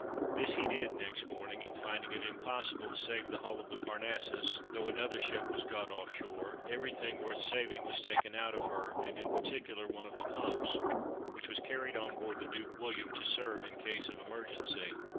This he did next morning, and, finding it impossible to save the hull of the Parnassus, though another ship was got off shore, every thing worth saving was taken out of her, and in particular one of the pumps, which was carried on board the Duke William to serve in case of emergency.